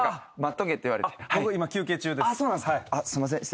すんません。